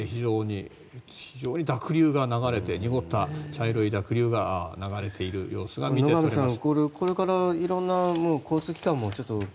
非常に濁流が流れて濁った茶色い濁流が流れている様子が見て取れます。